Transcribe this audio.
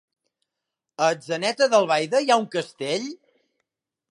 A Atzeneta d'Albaida hi ha un castell?